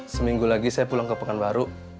seminggu lagi saya pulang ke pengan baru